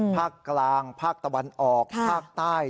ภาคกลางภาคตะวันออกภาคใต้